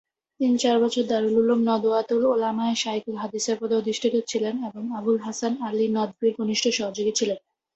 তিনি চার বছর দারুল উলূম নদওয়াতুল উলামায় শায়খুল হাদিসের পদে অধিষ্ঠিত ছিলেন এবং আবুল হাসান আলী নদভীর ঘনিষ্ঠ সহযোগী ছিলেন।